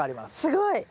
すごい。